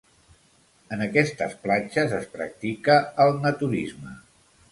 En aquestes platges es practica el naturisme.